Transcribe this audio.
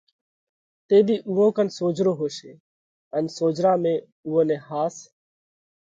تيۮِي اُوئون ڪنَ سوجھرو هوشي ان سوجھرا ۾ اُوئون نئہ ۿاس